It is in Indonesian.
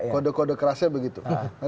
kode kode kerasnya begitu